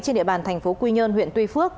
trên địa bàn thành phố quy nhơn huyện tuy phước